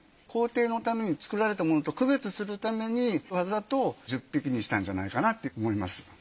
皇帝のために作られたものと区別するためにわざと１０匹にしたんじゃないかなと思います。